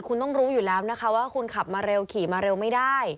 คุณต้องรู้อยู่แล้วนะคะว่าคุณขับมาเร็วขี่มาเร็วไม่ได้